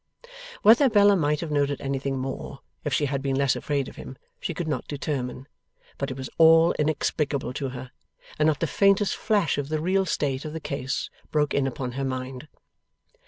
Whether Bella might have noted anything more, if she had been less afraid of him, she could not determine; but it was all inexplicable to her, and not the faintest flash of the real state of the case broke in upon her mind.